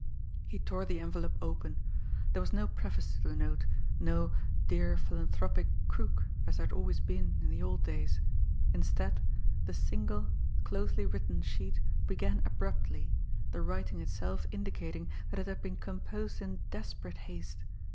He tore the envelope open. There was no preface to the note, no "Dear Philanthropic Crook" as there had always been in the old days instead, the single, closely written sheet began abruptly, the writing itself indicating that it had been composed in desperate haste.